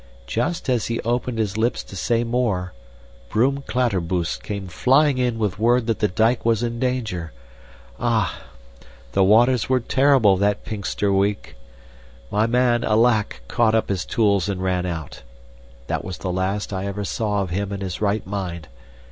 Just as he opened his lips to say more, Broom Klatterboost came flying in with word that the dike was in danger. Ah! The waters were terrible that Pinxter week! My man, alack, caught up his tools and ran out. That was the last I ever saw of him in his right mind.